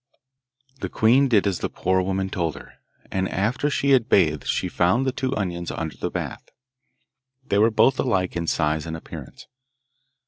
The queen did as the poor woman told her; and after she had bathed she found the two onions under the bath. They were both alike in size and appearance.